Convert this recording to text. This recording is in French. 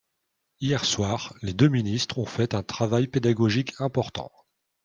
Hier soir, les deux ministres ont fait un travail pédagogique important.